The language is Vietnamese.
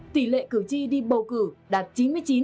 tỷ lệ cử tri đi bầu cử đạt chín mươi chín